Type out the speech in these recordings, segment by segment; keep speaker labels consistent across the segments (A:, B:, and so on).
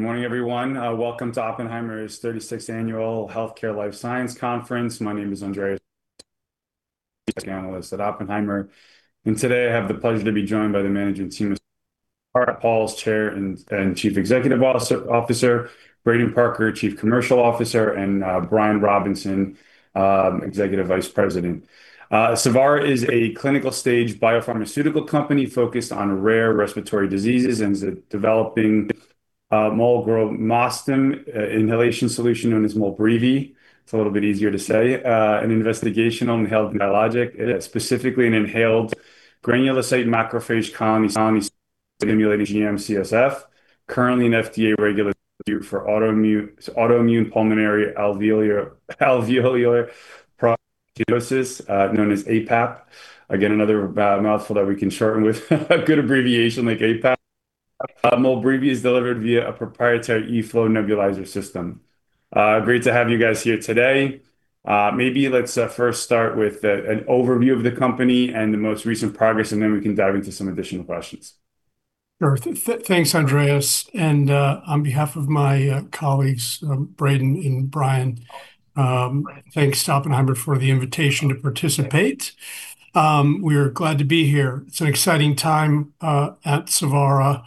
A: Good morning, everyone. Welcome to Oppenheimer's 36th Annual Healthcare Life Science Conference. My name is Andreas, analyst at Oppenheimer, and today I have the pleasure to be joined by the management team, Matt Pauls, Chair and Chief Executive Officer, Braden Parker, Chief Commercial Officer, Brian Robinson, Executive Vice President. Savara is a clinical stage biopharmaceutical company focused on rare respiratory diseases and is developing molgramostim inhalation solution known as Molbreevi. It's a little bit easier to say, an investigational inhaled biologic, specifically an inhaled granulocyte-macrophage colony-stimulating factor GM-CSF, currently in FDA regulatory for autoimmune pulmonary alveolar proteinosis, known as aPAP. Again, another mouthful that we can shorten with a good abbreviation like aPAP. Molbreevi is delivered via a proprietary eFlow nebulizer system. Great to have you guys here today. Maybe let's first start with an overview of the company and the most recent progress, and then we can dive into some additional questions.
B: Sure. Thanks, Andreas, and on behalf of my colleagues, Braden and Brian, thanks to Oppenheimer for the invitation to participate. We're glad to be here. It's an exciting time at Savara.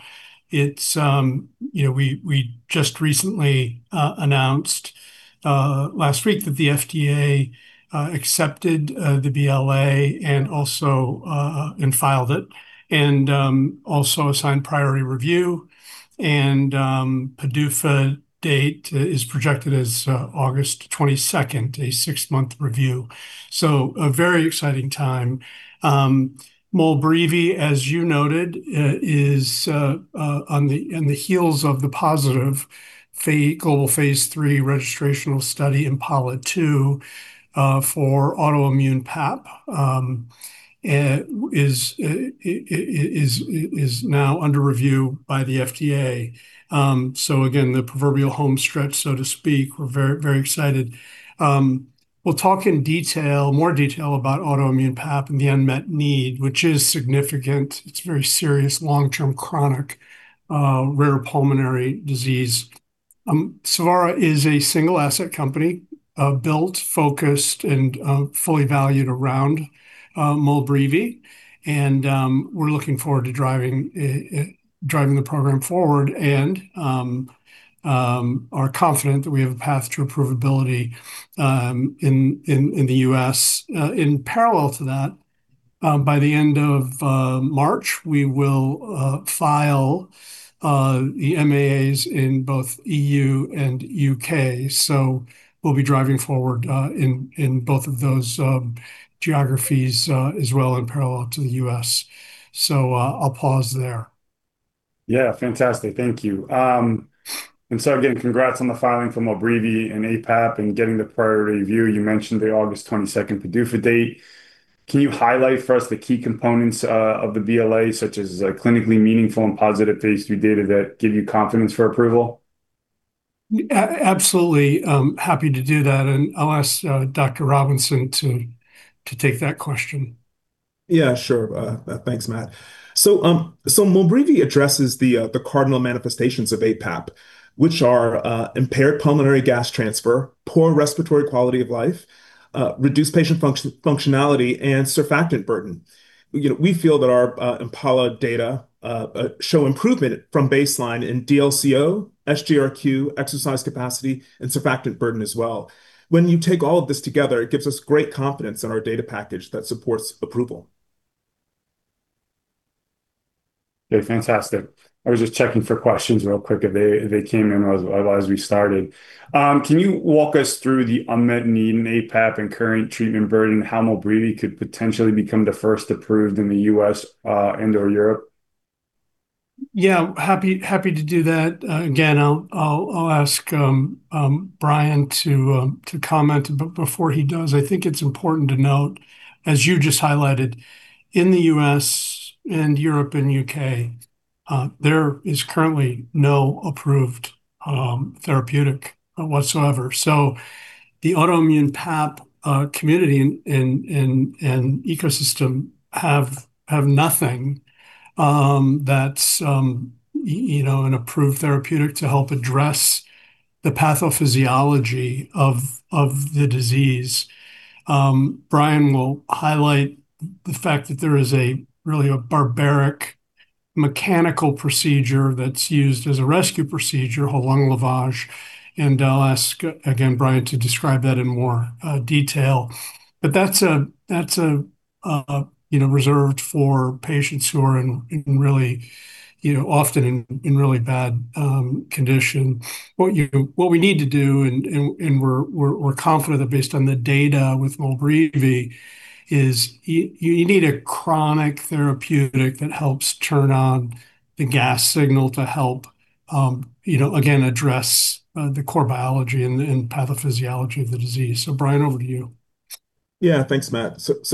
B: It's, you know, we just recently announced last week that the FDA accepted the BLA and also filed it, and also assigned priority review, and PDUFA date is projected as August 22nd, a six-month review. A very exciting time. Molbreevi, as you noted, is on the heels of the positive phase, global phase III registrational study in IMPALA-2, for Autoimmune PAP, is now under review by the FDA. Again, the proverbial home stretch, so to speak. We're very, very excited. We'll talk in detail, more detail about Autoimmune PAP and the unmet need, which is significant. It's very serious long-term, chronic, rare pulmonary disease. Savara is a single asset company, built, focused, and fully valued around Molbreevi, and we're looking forward to driving the program forward and are confident that we have a path to approvability in the U.S. In parallel to that, by the end of March, we will file the MAAs in both EU and U.K., so we'll be driving forward in both of those geographies as well, in parallel to the U.S. I'll pause there.
A: Yeah. Fantastic. Thank you. Again, congrats on the filing for Molbreevi and aPAP and getting the priority review. You mentioned the August 22nd PDUFA date. Can you highlight for us the key components of the BLA, such as clinically meaningful and positive phase III data that give you confidence for approval?
B: Absolutely, I'm happy to do that, and I'll ask Dr. Robinson to take that question.
C: Yeah, sure. Thanks, Matt. Molbreevi addresses the cardinal manifestations of aPAP, which are impaired pulmonary gas transfer, poor respiratory quality of life, reduced patient function, functionality, and surfactant burden. You know, we feel that our IMPALA data show improvement from baseline in DLCO, SGRQ, exercise capacity, and surfactant burden as well. When you take all of this together, it gives us great confidence in our data package that supports approval.
A: Okay, fantastic. I was just checking for questions real quick if they came in as we started. Can you walk us through the unmet need in aPAP and current treatment burden, and how Molbreevi could potentially become the first approved in the U.S., and or Europe?
B: Yeah, happy to do that. Again, I'll ask Brian to comment, before he does, I think it's important to note, as you just highlighted, in the U.S. and Europe and U.K., there is currently no approved therapeutic whatsoever. The Autoimmune PAP community and ecosystem have nothing that's, you know, an approved therapeutic to help address the pathophysiology of the disease. Brian will highlight the fact that there is a really a barbaric mechanical procedure that's used as a rescue procedure, Whole Lung Lavage, and I'll ask again, Brian, to describe that in more detail. That's a, you know, reserved for patients who are in really, you know, often in really bad condition. What we need to do, we're confident that based on the data with Molbreevi, is you need a chronic therapeutic that helps turn on the gas signal to help, you know, again, address, the core biology and pathophysiology of the disease. Brian, over to you.
C: Yeah. Thanks, Matt. Just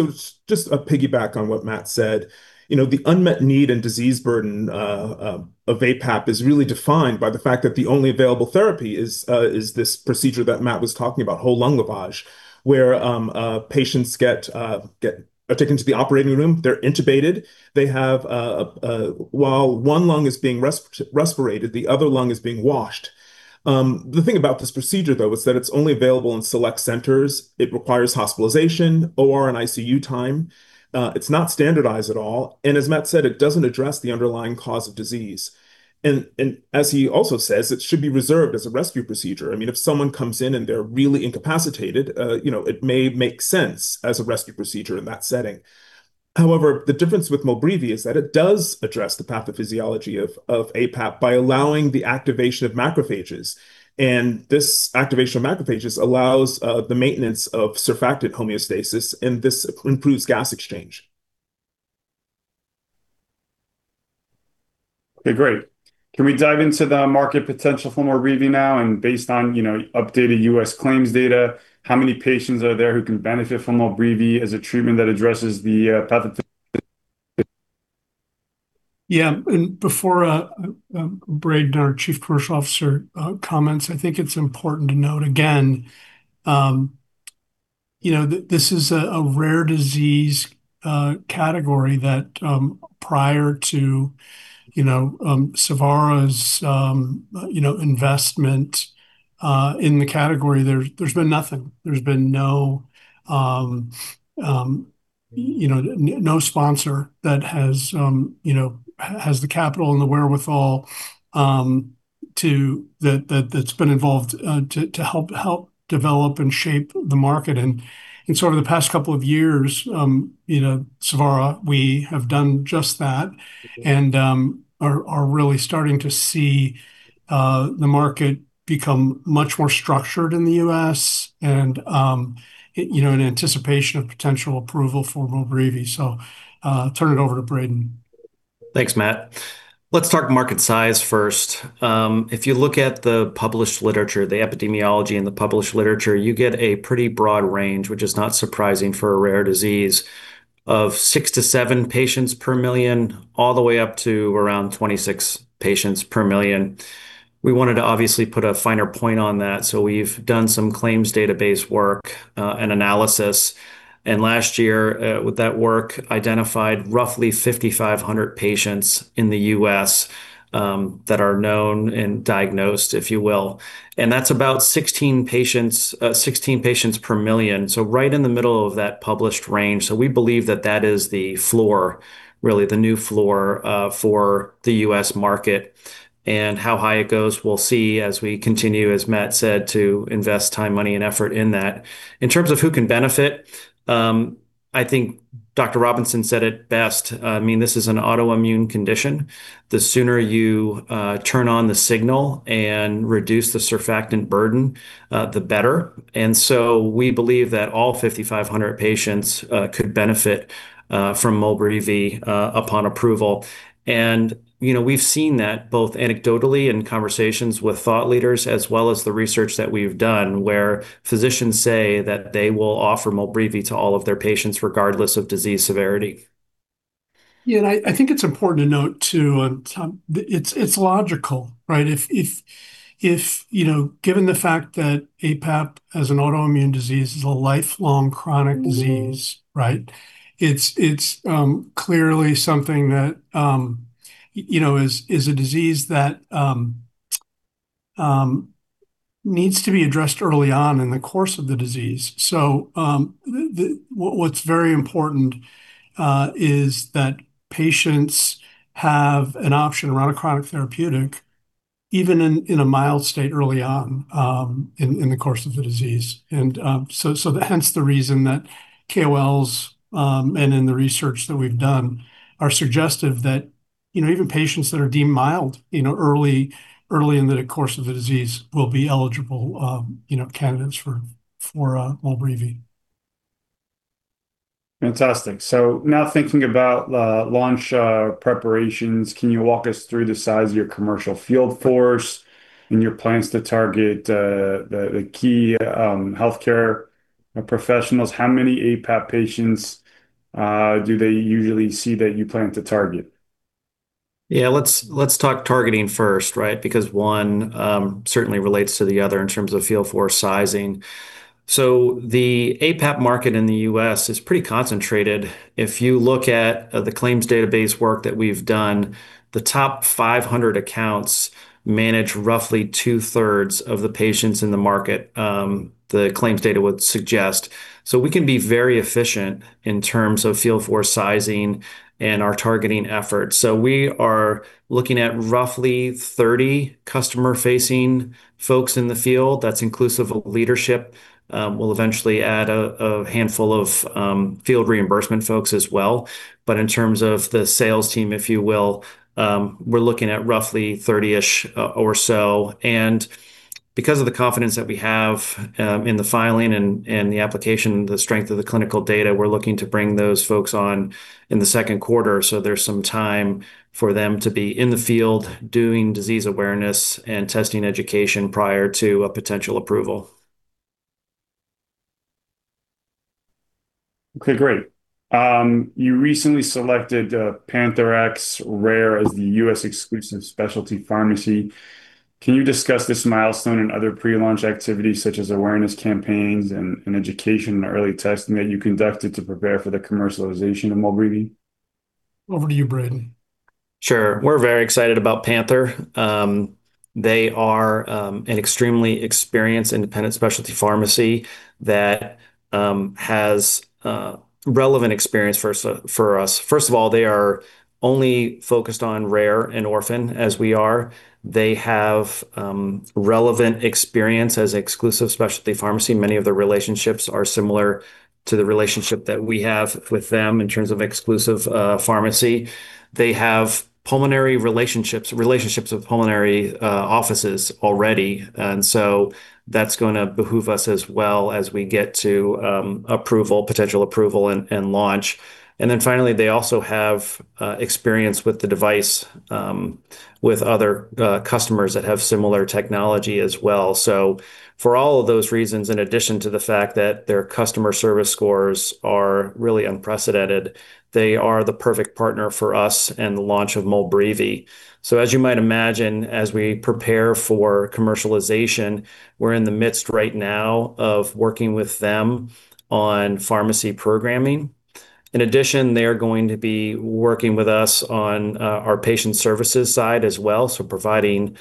C: to piggyback on what Matt said, you know, the unmet need and disease burden of aPAP is really defined by the fact that the only available therapy is this procedure that Matt was talking about, Whole Lung Lavage, where patients are taken to the operating room, they're intubated, they have while one lung is being respirated, the other lung is being washed. The thing about this procedure, though, is that it's only available in select centers. It requires hospitalization, OR, and ICU time. It's not standardized at all, and as Matt said, it doesn't address the underlying cause of disease. As he also says, it should be reserved as a rescue procedure. I mean, if someone comes in, and they're really incapacitated, you know, it may make sense as a rescue procedure in that setting. The difference with Molbreevi is that it does address the pathophysiology of aPAP by allowing the activation of macrophages. This activation of macrophages allows the maintenance of surfactant homeostasis. This improves gas exchange.
A: Okay, great. Can we dive into the market potential for Molbreevi now, and based on, you know, updated U.S. claims data, how many patients are there who can benefit from Molbreevi as a treatment that addresses the.
B: Yeah, before Braden, our Chief Commercial officer, comments, I think it's important to note again, you know, this is a rare disease category that, prior to, you know, Savara's, you know, investment in the category, there's been nothing. There's been no, you know, no sponsor that has, you know, has the capital and the wherewithal that's been involved to help develop and shape the market. In sort of the past couple of years, you know, Savara, we have done just that and are really starting to see the market become much more structured in the U.S. and, you know, in anticipation of potential approval for Molbreevi. Turn it over to Braden Parker.
D: Thanks, Matt. Let's talk market size first. If you look at the published literature, the epidemiology and the published literature, you get a pretty broad range, which is not surprising for a rare disease, of six to seven patients per million, all the way up to around 26 patients per million. We wanted to obviously put a finer point on that, so we've done some claims database work and analysis. Last year, with that work, identified roughly 5,500 patients in the U.S., that are known and diagnosed, if you will, and that's about 16 patients per million, so right in the middle of that published range. We believe that that is the floor, really the new floor, for the U.S. market. How high it goes, we'll see as we continue, as Matt said, to invest time, money, and effort in that. In terms of who can benefit, I think Dr. Robinson said it best. I mean, this is an autoimmune condition. The sooner you turn on the signal and reduce the surfactant burden, the better. We believe that all 5,500 patients could benefit from Molbreevi upon approval. You know, we've seen that both anecdotally in conversations with thought leaders, as well as the research that we've done, where physicians say that they will offer Molbreevi to all of their patients, regardless of disease severity.
B: I think it's important to note, too, that it's logical, right? If, you know, given the fact that aPAP, as an autoimmune disease, is a lifelong chronic disease, right? It's, it's clearly something that, you know, is a disease that needs to be addressed early on in the course of the disease. What's very important is that patients have an option around a chronic therapeutic, even in a mild state early on in the course of the disease. Hence the reason that KOLs and in the research that we've done, are suggestive that, you know, even patients that are deemed mild, you know, early in the course of the disease will be eligible, you know, candidates for Molbreevi.
A: Fantastic. Now thinking about launch preparations, can you walk us through the size of your commercial field force and your plans to target the key healthcare professionals? How many aPAP patients do they usually see that you plan to target?
D: Let's talk targeting first, right? Because one certainly relates to the other in terms of field force sizing. The aPAP market in the U.S. is pretty concentrated. If you look at the claims database work that we've done, the top 500 accounts manage roughly two-thirds of the patients in the market, the claims data would suggest. We can be very efficient in terms of field force sizing and our targeting efforts. We are looking at roughly 30 customer-facing folks in the field. That's inclusive of leadership. We'll eventually add a handful of field reimbursement folks as well. In terms of the sales team, if you will, we're looking at roughly 30-ish or so. Because of the confidence that we have, in the filing and the application, the strength of the clinical data, we're looking to bring those folks on in the second quarter. There's some time for them to be in the field doing disease awareness and testing education prior to a potential approval.
A: Okay, great. You recently selected PANTHERx Rare as the U.S. exclusive specialty pharmacy. Can you discuss this milestone and other pre-launch activities, such as awareness campaigns and education and early testing that you conducted to prepare for the commercialization of Molbreevi?
B: Over to you, Braden.
D: Sure. We're very excited about PANTHERx. They are an extremely experienced independent specialty pharmacy that has relevant experience for us. First of all, they are only focused on rare and orphan, as we are. They have relevant experience as exclusive specialty pharmacy. Many of the relationships are similar to the relationship that we have with them in terms of exclusive pharmacy. They have pulmonary relationships with pulmonary offices already. That's gonna behoove us as well as we get to approval, potential approval and launch. Then finally, they also have experience with the device with other customers that have similar technology as well. For all of those reasons, in addition to the fact that their customer service scores are really unprecedented, they are the perfect partner for us and the launch of Molbreevi. As you might imagine, as we prepare for commercialization, we're in the midst right now of working with them on pharmacy programming. In addition, they're going to be working with us on our patient services side as well, so providing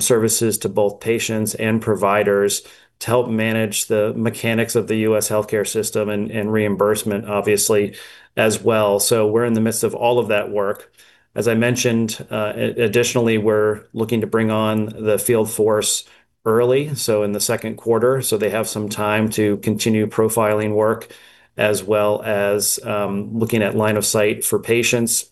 D: services to both patients and providers to help manage the mechanics of the U.S. healthcare system and reimbursement, obviously, as well. We're in the midst of all of that work. As I mentioned, additionally, we're looking to bring on the field force early, so in the second quarter, so they have some time to continue profiling work, as well as, looking at line of sight for patients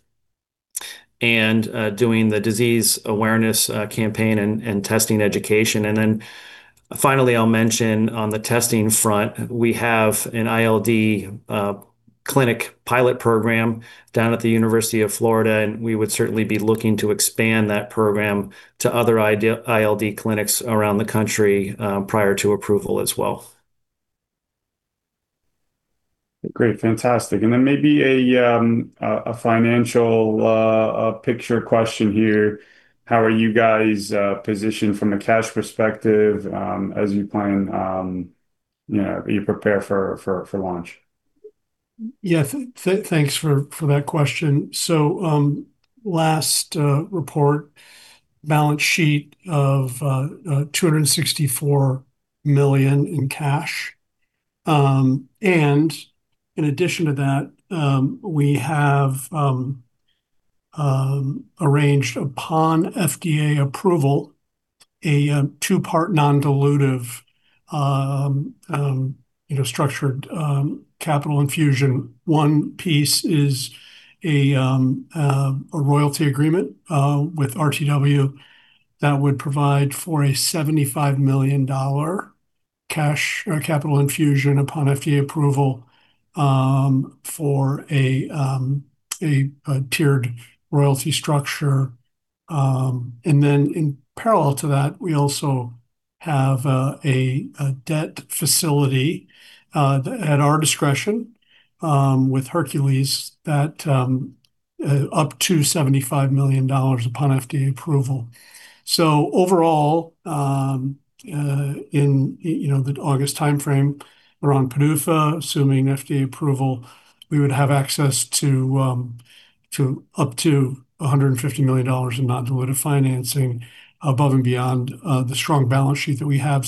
D: and, doing the disease awareness campaign and testing education. Finally, I'll mention on the testing front, we have an ILD clinic pilot program down at the University of Florida, and we would certainly be looking to expand that program to other ILD clinics around the country prior to approval as well.
A: Great. Fantastic. Then maybe a financial picture question here. How are you guys positioned from a cash perspective, as you plan, you know, you prepare for launch?
B: Yeah, thanks for that question. Last report, balance sheet of $264 million in cash. In addition to that, we have arranged upon FDA approval, a two-part non-dilutive, you know, structured capital infusion. One piece is a royalty agreement with RTW that would provide for a $75 million cash capital infusion upon FDA approval for a tiered royalty structure. In parallel to that, we also have a debt facility at our discretion with Hercules that up to $75 million upon FDA approval. Overall, in, you know, the August time frame, around PDUFA, assuming FDA approval, we would have access to up to $150 million in non-dilutive financing above and beyond the strong balance sheet that we have.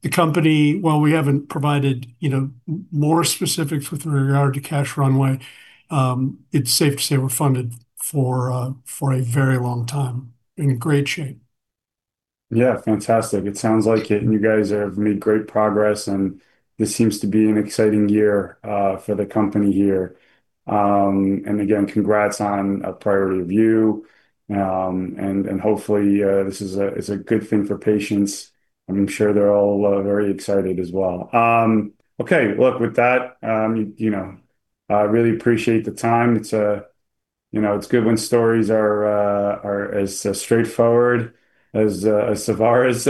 B: The company, while we haven't provided, you know, more specifics with regard to cash runway, it's safe to say we're funded for a very long time, in great shape.
A: Yeah, fantastic. It sounds like it, and you guys have made great progress, and this seems to be an exciting year for the company here. Again, congrats on a priority review. Hopefully, this is a good thing for patients. I'm sure they're all very excited as well. Okay, look, with that, you know, I really appreciate the time. It's, you know, it's good when stories are as straightforward as Savara's.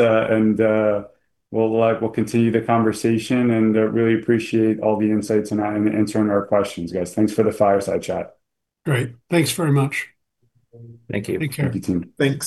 A: We'll continue the conversation and really appreciate all the insights tonight and answering our questions, guys. Thanks for the fireside chat.
B: Great. Thanks very much.
D: Thank you.
B: Take care.
D: Thanks.